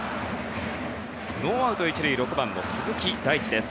ノーアウト１塁６番の鈴木大地です。